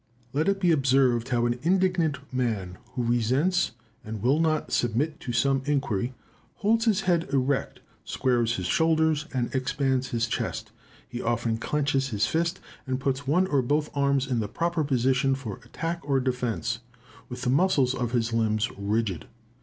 Let it be observed how an indignant man, who resents, and will not submit to some injury, holds his head erect, squares his shoulders, and expands his chest. He often clenches his fists, and puts one or both arms in the proper position for attack or defence, with the muscles of his limbs rigid.